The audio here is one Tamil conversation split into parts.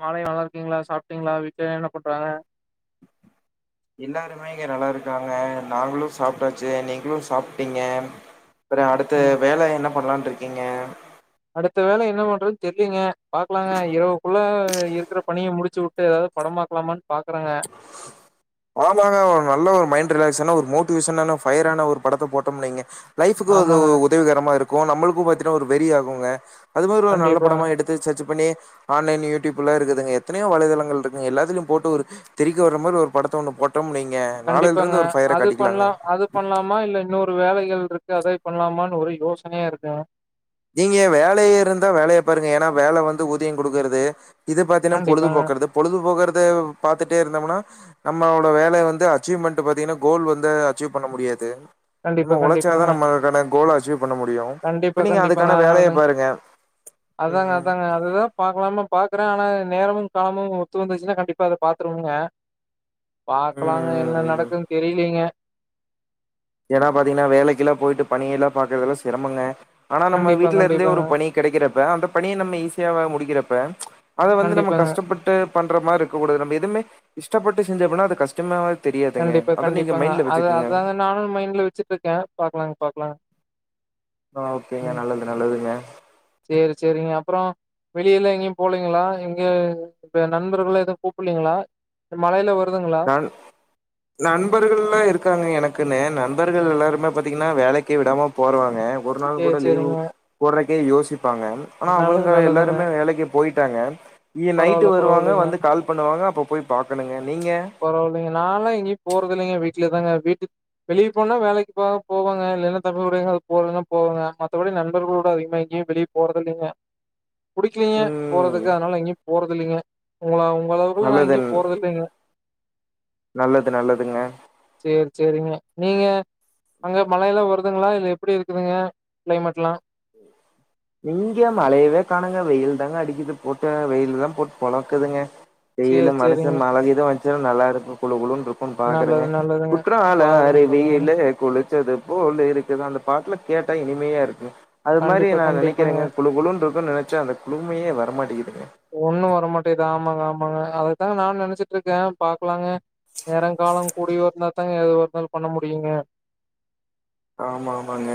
மாலை நல்லார்க்கீங்ளா சாப்டீங்ளா வீட்ல என்னப் பண்றாங்க இல்லாருமே இங்க நல்லாருக்காங்க நாங்ளு சாப்டாச்சு நீங்ளு சாப்ட்டீங்க பெரே அடுத்து ம். வேல என்னப் பண்லான்ருக்கீங்க அடுத்த வேல என்ன பண்றதுன் தெர்லிங்க பாக்லாங்க இரவுகுள்ள இருக்கற பணிய முடிச்சுவுட்டு எதாதுப் படம் பாக்லாமான் பாக்றங்க ஆமாங்க ஒரு நல்ல ஒரு மைண்ட் ரிலாக்சான ஒரு மோட்டிவேஷனான ஃபயரான ஒரு படத்த போட்டம் நைங்க லைஃபுக்கு ஒது ஆமாங்க உதவிகரமா இருக்கு நம்மளுக்கு பாத்தினா ஒரு வெறியாகுங்க அது மாதிரி ஒரு நல்ல கண்டிப்பாங்க படமா எடுத் து சர்ச்சு பண்ணி ஆன்லைன் யூடியூப்பில இருக்குதுங்க எத்தனையோ வலைதளங்கள்ருக்குங் எல்லாத்திலியும் போட்டு ஒரு தெறிக்கவிட்ற மாரி ஒரு படத்த ஒன்னு போட்டோம் நைங்கே கண்டிப்பாங்க அது பண்லா அது பண்ணலாமா இல்ல இன்னொரு வேலைகள் இருக்கு அதே பண்லாமான்னு ஒரு யோசனையா இருக்குங்க நீங்க வேலைய இருந்தா வேலைய பாருங்க ஏன்னா வேல வந்து ஊதியங் குடுக்கறது இது பாத்தீனா கண்டிப்பாங்க பொழுதுபோக்குறது பொழுதுபோக்குறத பாத்துட்டே இருந்தோம்னா நம்மளோட வேலைய வந்து அச்சீவ்மெண்ட் பார்த்தீங்கனா கோல் வந்து அச்சீவ் பண்ண முடியாது கண்டிப்பா நம்ம உழச்சாதா கண்டிப்பாங்க நம்மளுக்கான கோல் அச்சீவ் பண்ண முடியு கண்டிப்பா இப்ப நீங்க அது கண்டிப்பாங்க அதுக்கான வேலைய அதனாலதாங்க பாருங்க அதாங்க ம் அதாங்க அதுதா பாக்கலாம பாக்குற ஆனா நேரு காலமு ஒத்து வந்துச்சுனா கண்டிப்பா அத பாத்துருவங்க பாக்லாங்க ம் என்ன ம். நடக்குன் தெரிலிங்க ஏன்னா பார்த்தீங்கன்னா வேலைக்கெல்லா போயிட்டு பணியெல்லா பாக்குரதுல்லா சிரமங்க ஆனா நம்ம கண்டிப்பா வீட்டுல இருந்தே ஒரு கண்டிப்பாங்க பணி கெடைக்கிறப்ப அந்த பணிய நம்ம ஈஸியா முடிக்கிறப்ப அத வந்து நம்ம கண்டிப்பாங்க கஷ்டப்பட்டு பண்ற மார் இருக்கூடாது நம்ம எதுமே இஷ்டப்பட்டு செஞ்ச அப்பட்னா அது கஷ்டமாவ கண்டிப்பா கண்டிப்பாங்க அது அதாங்க நானு மைண்ட்ல வச்சுட்ருக்கே பாக்லாங் பாக்லாங்க ஆ ஓகேங்க நல்லது நல்லதுங்க செரி செரிங்க அப்புறோ வெளியெல்லா எங்கேயு போலீங்களா எங்க இப்ப நண்பர்களா எது கூப்புலீங்ளா மழையில வருதுங்ளா அ நண்பர்கள்லா இருக்காங்க எனக்குன்னு நண்பர்கள் எல்லாருமே பார்த்தீங்கன்னா வேலைக்கு விடாம போறாங்க ஒரு நாள் சரி, கூட லீவ்வு சரிங்க. போறக்கே யோசிப்பாங்க ஆனா நல்லது அவுங்க நல்லதுங்க. எல்லாருமே வேலைக்கு போயிட்டாங்க நைட்டு பரவால்ல வருவாங்க பரவால்லைங்க வந்து கால் பண்ணுவாங்க அப்ப போய் பாக்கணுங்க நீங்க பரவாயில்லைங்க நாலா எங்கேயு போறது இல்லிங்க வீட்லதாங்க வீட்டு வெளிய போனா வேலைக் போக போவாங்க இல்லன்னா தமிழ் உரைகள் போறன்னா போவாங்க மத்தபடி நண்பர்களோட அதிகமா எங்கேயு வெளிய போறதில்லைங்க புடிக்கிலீங்க ம். போறதுக்கு அதனால எங்கேயு போறதில்லைங்க உங்கள உங்களவுக்கலா நா நல்லது எங்கெயு போறதில்லைங்க நல்லது நல்லதுங்க சேர் சேரிங்க நீங்க அங்க மழையெல்லா வருதுங்ளா இல்ல எப்டி இருக்குதுங்க கிளைமேட்லா இங்க மழையவே காணங்க வெயில் தாங்க அடிக்குது போட்டு வெயில் தா போட் பொழக்குதுங்க சேரி வெயிலு மனுசன் சேரிங்க மழகிது வச்சா நல்லா இருக்கு குழு குழுன்ருக் குன் பாக்குறங்க நல்லது நல்லதுங்க குற்றால பாருங்க பாருங்க அருவியிலே‌ குளி ச்சது போல் இருக்குதா அந்த பாட்லா கேட்டா இனிமையா இருக்கு அது மாரி கண்டிப்பா நா கண்டிப்பாங்க நெனைக்கிறங்க குழு குழுன்றுக்குன்னு நெனச்ச அந்த குழுமையே வர மாட்டேகுதுங்க ஒண்ணு வரமாட்டேதா ஆமாங்க ஆமாங்க அதுதா நானு நெனச்சிட்ருக்கே பாக்லாங்க நேரங் காலங் கூடி வந்தா தாங்க ஏது ஒரு இருந்தாலு பண்ண முடியுங்க ஆமா ஆமாங்க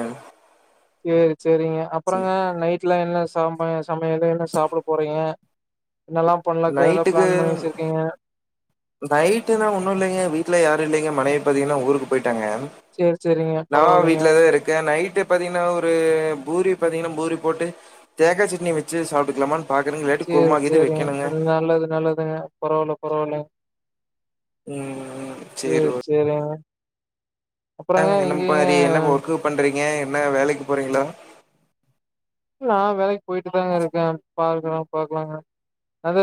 சேரி சேரிங்க சரி அப்பறங்க நைட்ல என்ன ச சமையலு என்ன சாப்ட போறீங்க என்னெல்லா பண்லாக்கு எல்லா பிளான் பண்ணி வச்சிருக்கீங்க நைட்டுன்னா ஒன்னு இல்லைங்க வீட்ல யாரு இல்லைங்க மனைவி பாத்தீங்கன்னா ஊருக்கு போயிட்டாங்கே சேரி சேரிங்க நா பரவாயில்லைங்க வீட்லதா இருக்கே நைட்டு் பாத்தீங்கன்னா ஒரு பூரி பாத்தீங்கன்னா பூரி போட்டு தேக்கா சட்னி வச்சு சாப்டுக்லாமான் சேரி சேரிங்க நல்லது நல்லதுங்க பரவாயில்ல பரவாயில்ல ம் சேரி ஓக் சேரிங்க அப்புறங்க என்ன மாரி எங்கேங்க என்ன ஒர்க்கு பண்ணுறீங்க என்ன வேலைக்கு போறீங்களா நாவேலைக்கு போயிட்டு தாங்க இருக்க பாக்கலா பாக்கலாங்க அது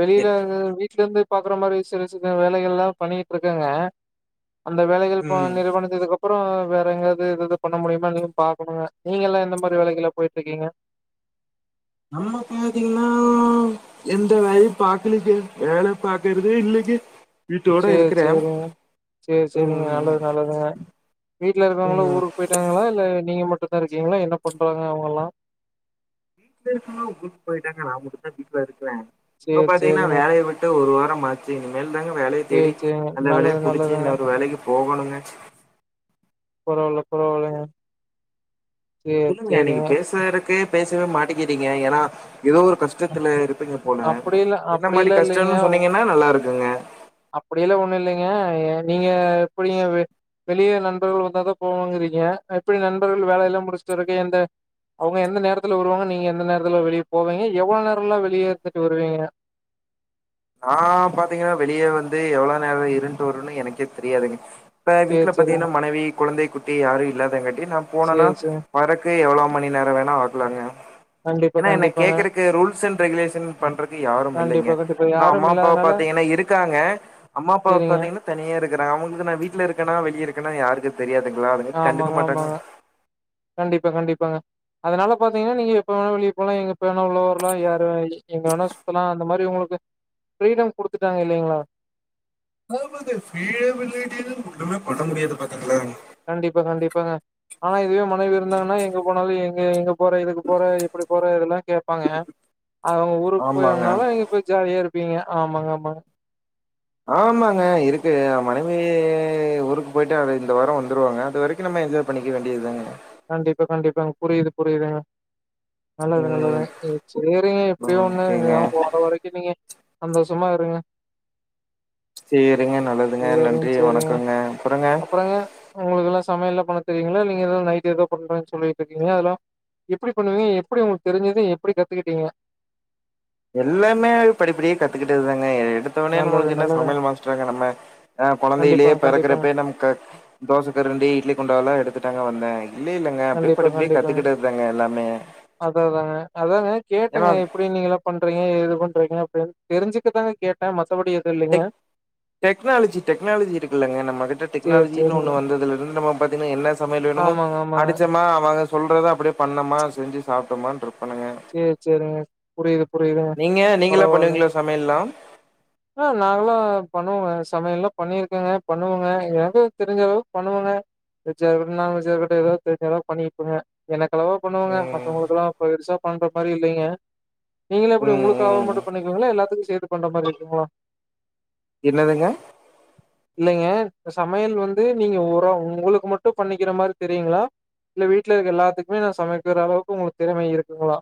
வெளியில என் வீட்ல இருந்து பாக்குற மாதிரி சின்ன சின்ன வேலைங்கள்யெல்லா பண்ணிட்டு இருக்கங்க அந்த வேலைகள் இப்ப ம் நிறுவனத் இதுக்கப்பற வேற எங்காவது எதாவது பண்ண முடியுமானு பாக்கணுங்க நீங்க எல்லா எந்த மாறி வேலைக்கெல்லா போயிட்டு இருக்கீங்க நம்ம பாத்தீங்கன்னா எந்த வேலயு பாக்குலைங்க வேல பாக்குறதே இல்லங்க சேரி சேரிங்க சேரி சேரிங்க ம் நல்லது நல்லதுங்க வீட்டுல இருக்கவங்களா ம் ஊருக்கு போயிட்டாங்களா இல்ல நீங்க மட்டு தா இருக்கீங்களா என்ன பண்றாங்க அவங்க எல்லா வீட்டுள்ளா இருக்கோங்கள்ளா ஊருக்கு போயிட்டாங்க நா மட்டு தா வீட்ல இருக்க இப்ப சேரி பாத்தீங்கன்னா சேரிங்க வேலைய விட்டு ஒரு வார மாச்சு இனி மேல் தாங்க வேலைய சேரி தேடி சேரிங்க நல்ல வேலையா நல்லது புடிச்சு நல்லதுங்க இன்னொரு வேலைக்கு போகணுங்க பரவாயில்ல பரவாயில்லங்க சொல்லுங்க நீங்க பேசறதுக்கே பேசவே மாட்டிக்கிறீங்க ஏன்னா ஏதோ ஒரு கஷ் கஷ்டத்துல இருப்பீங்க போல அப்டி இல்ல என்ன அப்டி மாறி எல்லா கஷ்டம்னு சொன்னீங்கன்னா நல்லா இருக்குங்க அப்டியெல்லா ஒண்ணும் இல்லங்க நீங்க எப்டிங் வெளிய நண்பர்கள் வந்தாதா போவனுங்கிறீங்க எப்டி நண்பர்கள் வேலையெல்லா முடிச்சுட்டு வரதுக்கு இந்த அவங்க எந்த நேரத்துல வருவாங்க நீங்க எந்த நேரத்துல வெளிய போவீங்க எவ்ளோ நேரலா வெளிய இருந்துட்டு வருவீங்க நா பாத்தீங்கன்னா வெளிய வந்து எவ்வளவு நேர இருன்ட்டு வருவன்னு எனக்கே தெரியாதுங்க இப்ப சேரி வீட்டுல சேரிங்க பாத்தீங்கன்னா மனைவி குழந்தை குட்டி யாரும் இல்லாதங்காட்டி நம் போனனா சேரி சேரி வரக்கு எவ்ளோ மணி நேர வேணா ஆகுலாங்க கண்டிப்பா ஏன்னா என்ன கண்டிப்பாங்க கேக்குறக்கு ரூல்ஸ் அண்ட் ரெகுலேஷன் பண்றதுக்கு யாரும் இல்லங்க கண்டிப்பா கண்டிப்பா அம்மா யாரும் அப்பாவ இல்லாதனால பாத்தீங்கன்னா இருக்காங்க அம்மா அப்பாவ சேரிங்க பாத்தீங்கன்னா தனியா இருக்காங்க அவங்களுக்கு நா வீட்டுல இருக்கனா வெளிய இருக்கன்னா யாருக்கு தெரியாதுங்களா அதுங்காட்டி கண்டுக்க ஆமாங்க மாட்டாங்க ஆமாங்க கண்டிப்பா கண்டிப்பாங்க அதனால பாத்தீங்கன்னா நீங்க எப்ப வேணா வெளியே போலா எங்கப்ப வேணா உள்ள வரலா யாரு எங்க வேணா சுத்தலா அந்த மாதிரி உங்களுக்கு ஃரீடம் கொடுத்துட்டாங்க இல்லங்களா ஆமாங்க ஃப்ரீடம் இல்லாட்டி எல்லா ஒன்னுமே பண்ண முடியாது பாத்தீங்களா கண்டிப்பா கண்டிப்பாங்க ஆனா இதுவே மனைவி இருந்தாங்கன்னா எங்க போனாலு எங்க எங்க போற இதுக்கு போற எப்டி போற இதெல்லா கேட்பாங்க அ அவங்க ஊருக்கு ஆமாங்க போயனாலங்க போய் ஜாலியா இருப்பீங்க ஆமாங்க ஆமாங்க ஆமாங்க இருக்கு ஆ மனைவி ஊருக்கு போயிட்டு அது இந்த வார வந்துருவாங்க அது வரைக்கும் க்கும் நம்ம என்ஜாய் பண்ணிக்க வேண்டியதுாங்க கண்டிப்பா கண்டிப்பாங்க புரிது புரிதுங்க நல்லது ம் நல்லது சரிங்க எப்டியோ ஒண்ணு ஓகேங்க போற வரைக்கும் இப்ப நீங்க சந்தஷமா இருங்க செரிங்க நல்லதுங்க சரிங்க, நன்றி வணக்கங்க அப்பறங்க உங்களுக்குல்லா சமையல்லா பண்ண தெரியீங்களா இல்ல நீங்க எது நை ஏதோ பண்றேன்னு சொல்லிட்டு இருக்கீங்கல அதல்லாம் எப்டி பண்ணுவீங்க எப்டி உங்களுக்கு தெரிஞ்சது எப்டி கத்துக்கிட்டீங்க எல்லாமே படிப்படியா கத்துக்கிட்டு ந்தாங்க எடுத்து எடுதொன்னே நல்லது, நம்மளுக்கு என்ன நல்லதுங்க. சமையல் மாஸ்டராங்க நம்ம ஆ குழந்தையிலயே கண்டிப்பாங்க, கண்டிப்பாங்க. பிறக்கிறப்ப நம்ம கத் தோச கரண்டி இட்லி குண்டால்லா எடுத்துட்டாங்க வந்த இல்ல இல்லங்க அப்டியே படிப்படியா கத்துக்கிட்ட தாங்க எல்லாமே அத தானங்க அதாங்க ஏன்னா கேட்டுங்க எப்டி நீங்களா பண்றீங்க ஏது பண்றீங்க அப்படின்னு தெரிஞ்சுக்கதாங்க கேட்டே மத்தபடி எதுல்லைங்க டெக் டெக்னாலஜி டெக்னாலஜி இருக்குல்லங்க நம்ம கிட்ட சேரி டெக்னாலஜின்னு சேரிங்க ஒண்ண வந்ததுலருந்து நம்ம பாத்தீங்க என்ன சமையல் வேணுமோ ஆமாங்க ஆமாங்க அடிச்சமா அவங்க சொல்றத அப்படியே பண்ணமா செஞ்சு சாப்ட்டமான்ருப்பனுங்க சேர் சேரிங்க புரியுது புரியுதுங்க பரவால்லைங் சமையல்லாம் ஆ நாங்கள்லா பண்ணுவோங்க சமையல்லா பண்ணிருக்கோங்க பண்ணுவோங்க எனக்கு தெரிஞ்சளவுக்கு பண்ணுவோங்க வெஜ்ஜாருக்கட்டு நான்வெஜ்ஜாருக்கட்டு எதாது தெரி்ஞ்சளவு பண்ணிப்போங்க எனக்கு அளவா பண்ணுவோங்க ம் மத்தவங்களுக்கெல்லா பெருசா பண்ற மாரி இல்லைங்க நீங்கள எப்படி ம் உங்களுக்காவு ம் மட்டு பண்ணிக்கீங்களா எல்லாத்துக்கு சேத்து பண்ற மாரி இருக்குங்களா என்னதுங்க இல்லைங்க சமையல் வந்து நீங்க உரம் உங்களுக்கு மட்டு பண்ணிக்கிற மாதிரி தெரியுங்களா இல்ல வீட்லருக்க எல்லாத்துக்குமே நா சமைக்கிற அளவுக்கு உங்களுக்கு திறமை இருக்குங்களா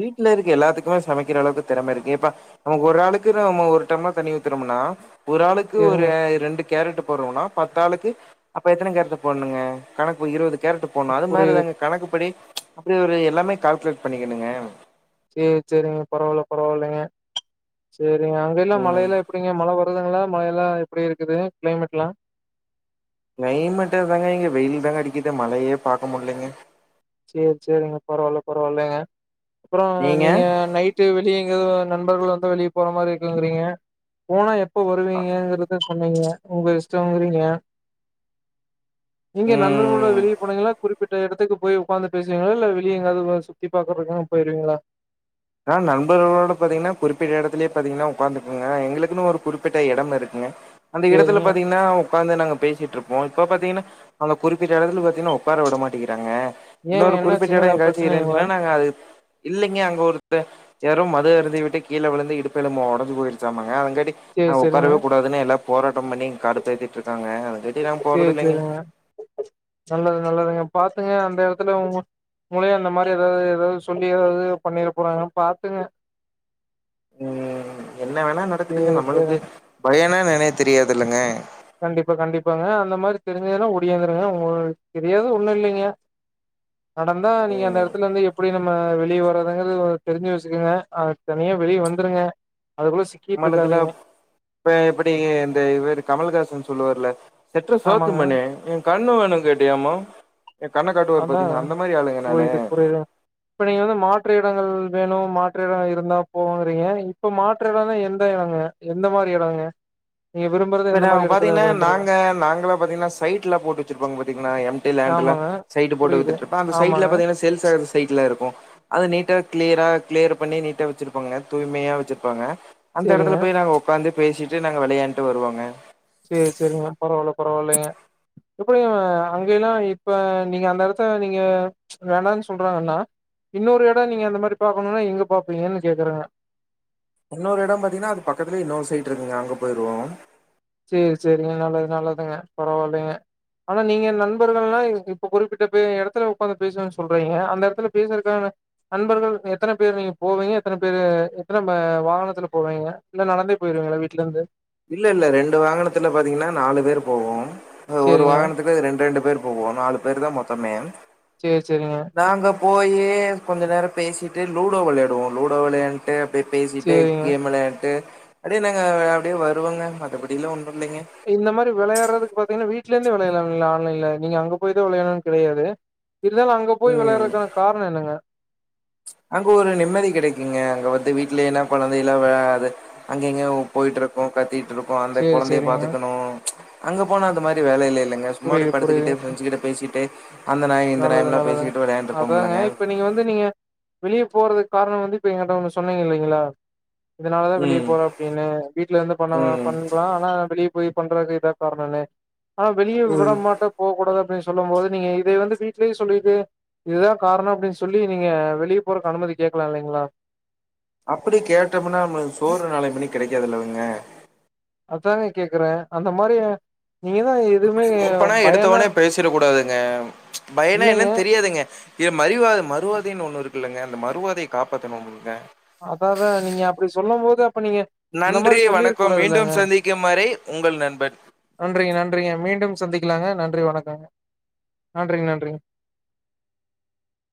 வீட்ல இருக்கு எல்லாத்துக்குமே சமைக்கிற அளவுக்கு திறமை இருக்கு இப்ப நமக்கு ஒரு ஆளுக்கு நம்ம ஒரு டம்ளர் தண்ணி ஊத்துறோம்னா ஒரு ஆளுக்கு ஒரு சேரிங்க ரெண்டு கேரட்டு் போடுறோண்ணா பத்து ஆளுக்கு அப்ப எத்தன கேரட் போடணுங்க கணக்கு இருபது கேரட் போடணு அது புரியுது மாதிரிதாங்க கணக்குப்படி அப்படி ஒரு எல்லாமே கால்குலேட் பண்ணிக்கணுங்க சேரி சேரிங்க பரவால்ல பரவால்லைங்க சேரிங்க அங்கல்லா ம் மழையெல்லா எப்படிங்க மழ வருதுங்களா மழெல்லா எப்படி இருக்குது கிளைமேட்ல்லா கிளைமேட் தாங்க இங்க வெயில் தாங்க அடிக்கிது மழையே பாக்க முல்லீங்க சேர் சேரிங்க பரவால்ல பரவால்லலைங்க அப்புறோ நீங்க நைட் ட்டு வெளியே எங்யாவது நண்பர்கள் வந்தா வெளியே போற மாரி இருக்குங்றீங்க போனா எப்ப வருவீங்கங்றது து சொன்னீங்க உங்க இஷ்டோங்குறீங்க நீங்க நண்பர்களோட ம் வெளிய போனீங்களா குறிப்பிட்ட எடத்துக்கு போய் உக்காந்து பேசுவீங்களா இல்ல வெளிய எங்காவது சுத்தி பாக்குறதுங்க போயிருவீங்களா நா நண்பர்களோட பாத்தீங்கன்னா குறிப்பிட்ட எடத்துலயே பாத்தீங்கன்னா உக்காந்துப்பேங்க எங்களுக்குன்னு ஒரு குறிப்பிட்ட எடம் இருக்குங்க அந்த எடத்துல சேரிங்க பாத்தீங்கன்னா உக்காந்து நாங்க பேசிட்டு இருப்போ இப்ப பாத்தீங்கன்னா அங்க குறிப்பிட்ட எடத்துல பாத்தீங்கன்னா உக்கார விட மாட்டேக்கிறாங்க ஏங்க இன்னொரு குறிப்பிட்ட என்னாச்சுங்க எடோ எதா எங்கயாச்சு பிரச்சனைங்களா இருந்துச்சுன்னா நாங்க அது இல்லிங்க அங்க ஒருத்த யாரோ மது அருந்து விட்டு கீழே விழுந்து இடுப்பெலும்பு ஒடஞ்சு போயிருச்சாமாங்க அதுங்காட்டி சேரி ஆ சேரிங்க உக்காரவே கூடதுன்னு எல்ல போராட்டம் பண்ணி கடுப்பேத்திட்டு இருக்காங்க அது கட்டி நாங்க சேரி போறதில்லைங்க சேரிங்க நல்லது நல்லதுங்க பாத்துங்க அந்த எடத்துல உங்க உங்களையு அந்த மாரி ஏதாது ஏதாது சொல்லி ஏதாது பண்ணிர போறாங்க பாத்துங்க ம் என்ன வேணா நடக்குதுங்க சேரி சேரி நம்மளுக்கு பயனா என்னன்னே தெரியாதுல்லங்க கண்டிப்பா கண்டிப்பாங்க அந்த மாரி தெரிஞ்சதுன்னா ஒடியாந்துருங்க உங்களுக்கு தெரியாது ஒண்ணு இல்லைங்க நடந்தா நீங்க அந்த ம் எடத்துலருந்து எப்படி நம்ம ம வெளியே வறதுங்கறது தெரிஞ்சு வச்சுக்கங்க தனியா வெளிய வந்துருங்க அதுக்குள்ள சிக்கிட்டு நம்மளக்குல இருக்காதீங்க இப்ப எப்பிடி இந்த இவரு கமல்ஹாசன் சொல்லுவார்ல செட்ர சோத்து ஆமாங்க மண்ணே எ கண்ணு வேணுன் கேட்டியாம்மா ஏ கண்ணக்காட்டுவாரு அதா பாத்தீங்ளா அந்த மாரி ஆளுங்க நானு புரியுது புரியுது இப்ப நீங்க வந்து மாற்று இடங்கள் வேணு மாற்று இடோ இருந்தா போவோங்றீங்க இப்ப மாற்று எடனா எந்த இடங்க எந்த மாரி இடோங்க நீங்க விரும்பரத் இப்ப நாங்க பாத்தீங்ன்னா நாங்க நாங்களா பாத்தீங்ன்னா சைட்ல போட்டு வச்சிருப்போங்க பாத்தீங்ன்னா எம் டி லேண்ட்லா ஆமாங்க சைட்டு போட்டு புரியுது வித்துட்டுருப்பா அந்த சைட்ல ஆமாங்க பாத்தீங்கன்னி சேல்ஸ்சாகாத சைட்ல இருக்கு அது நீட்டா கிளியரா கிளியர் பண்ணி நீட்டா வச்சிருப்பாங்க தூய்மையா வச்சிருப்பாங்க அந்த இடத்துல சேரிங்க போய் நாங்க உக்காந்து பேசிட்டு நாங்க விளையாண்ட்டு வருவோங்க சேரி சேரிங்க பரவால்ல பரவால்லைங்க எப்படியு அங்க எல்லா இப்ப நீங்க அந்த இடத்த நீங்க ச் வேணானு சொல்றாங்கண்ணா இன்னொரு இட நீங்க அந்த மாரி பாக்கணுனா எங்க பாப்பீங்கன்னு கேக்குற இன்னொரு இடம் பாத்தீங்ன்னா அது பக்கத்துலயே இன்னொரு சைட்டு இருக்குங்க அங்க போயிருவோ சேரி சேரிங்க நல்லது நல்லதுங்க பரவாயில்லைங்க ஆனா நீங்க நண்பர்கள்லா இப்ப குறிப்பிட்ட பே இடத்துல உக்காந்து பேசணன்னு சொல்றீங்க அந்த இடத்துல பேசுறக்கான நண்பர்கள் எத்தன பேர் நீங்க போவீங்க எத்தன பேரு எத்தன வாகனத்துல போவீங்க இல்ல நடந்தே போயிருவீங்களா வீட்ல இருந்து இல்ல இல்ல ரெண்டு வாகனத்துல பாத்தீங்கன்னா நாலு பேரு போவோ ஒரு சேரிங்க வாகனத்துக்கு ரெண்டு ரெண்டு பேர் போவோ நாலு பேர்தா மொத்தமே சேரி சேரிங்க நாங்க போய் கொஞ்ச நேர பேசிட்டு லூடோ வெளையாடுவோ லூடோ வெளையாண்ட்டு ட்டு அப்டியே பேசிட்டு சேரிங்க கேம் விளையாட்டு அப்டியே நாங்க அப்டியே வ ருவங்க மத்தபடிலா ஒன்னு இல்லைங்க இந்த மாரி விளையாறக்கு பாத்தீங்ன்னா வீட்ல இருந்தெ விளையாலா ஆன்லைன்ல நீங்க அங்கா போய்தா விளையாணுனு கிடையாது இல்லனா அங்க போய் ம் வெளயாறக்கான காரண என்னங்க அங்க ஒரு நிம்மதி கிடைக்குங்க அங்க வந்து வீட்டுல என்ன குழந்தை எல்லா விழது அங்க இங்க போயிட்ருக்கு கத்திட்ருக் கு அந்த சேரி குழந்தைய சேரிங்க பாத்துக்கணு அங்க போனா அந்த மாரி வேல இல்லலங்க சும்மா அப்டியே புரியுது புரியுது படுத்துகிட்டு ஃப்ரெண்ட்ஸ் கிட்ட பேசிட்டு அந்த நாயோ இந்த நல்லது நாயம்லா நல்லதுங்க பேசிட்டு விளையாண்ட்டு அதாங்க இருப்போம்லங்க இப்ப நீங்க வந்து நீங்க வெளிய போறதுக்கு காரனோ வந்து இப்ப எங்கட்ட ஒன்னு சொன்னீங்கில்லைங்களா இதனாலதா வெளிய ம் போறோ அப்டின்னு வீட்லருந்து பண்ணவ ம் பண்லா ஆனா வெளியே போய் பண்றதுக்கு இதா கார்னோன்னு ஆனா வெளிய விட ம் மாட்டே போ கூடாது அப்டின்னு சொல்லும் போது நீங்க இத வந்து வீட்லயு சொல்லிட்டு இதுதா காரனோ அப்டின் சொல்லி நீங்க வெளிய போறக்கு அனுமதி கேக்லா இல்லீங்ளா அப்புடி கேட்டமுனா நம்ளுக்கு சோறு நாலயபின்ன கெடைக்காதுல்லங்க அதாங்க கேக்கற அந்த மாரி நீங்கதா எப் அப்டி ஒப்பனா எடுத்தவொனே பேசிற கூடாதுங்க பையனா இல்லைங்க என்னன்னு தெரியாதுங்க எ மறிவாத மறுவாதைன்னு ஒன்னுருக்குல்லங்க அந்த மறுவாதைய காப்பாதுனுமில்லங்க அதாதா நீங்க அப்டி சொல்லும் போது அப்ப நீங்க இந்த நன்றி மாரி சொல்லிருக்க வணக்கம் கூடாதுல்லங்க மீண்டும் சந்திக்கும் வரை உங்கள் நண்பன் நன்றிங்க நன்றிங்க மீண்டும் சந்திக்கலாங்க நன்றி வணக்கொங்க நன்றிங்க நன்றிங்க